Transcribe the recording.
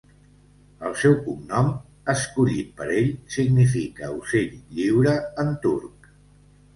El seu cognom, escollit per ell, significa ocell lliure en turc.